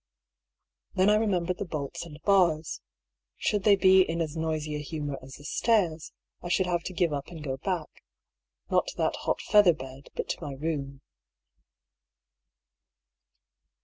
Then I remembered the bolts and bars. Should they be in as noisy a humour as the stairs, I should have to give up and go back — not to that hot feather bed, but to my room.